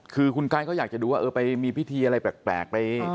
คือคุณไกก็อยากจะดูว่าไปไหนมีพิธีอะไรแปลกไป